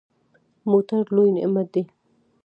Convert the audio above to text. موټر لوی نعمت دی.